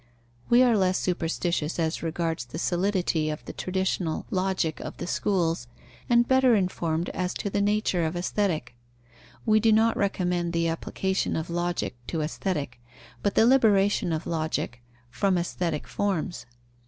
We are less superstitious as regards the solidity of the traditional Logic of the schools, and better informed as to the nature of Aesthetic. We do not recommend the application of Logic to Aesthetic, but the liberation of Logic from aesthetic forms.